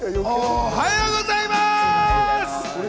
おはようございます。